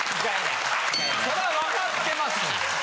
そら分かってます。